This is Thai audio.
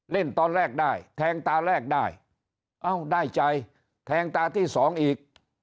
เล่นตอนแรกได้แทงตาแรกได้เอ้าได้ใจแทงตาที่สองอีก